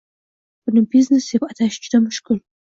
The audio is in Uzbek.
Buni biznes deb atash juda mushkul.